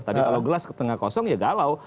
tapi kalau gelas setengah kosong ya galau